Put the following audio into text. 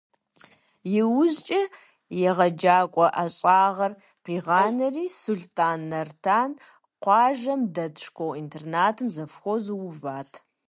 Иужькӏэ егъэджакӏуэ ӏэщӏагъэр къигъанэри, Сулътӏан Нартан къуажэм дэт школ-интернатым завхозу уват.